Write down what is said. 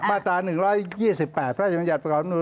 มาตรา๑๒๘พระราชบัญญัติประกอบนูล